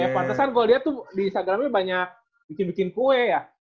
pantesan kalau liat tuh di instagramnya banyak bikin bikin kue ya